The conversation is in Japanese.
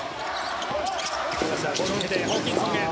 富樫からボールを受けてホーキンソンへ。